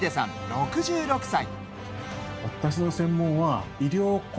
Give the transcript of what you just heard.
６６歳。